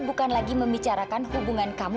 bukan lagi membicarakan hubungan kamu